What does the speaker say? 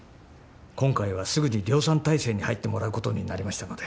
今回はすぐに量産態勢に入ってもらうことになりましたので。